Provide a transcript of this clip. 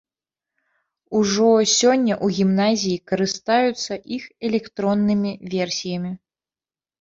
Ужо сёння ў гімназіі карыстаюцца іх электроннымі версіямі.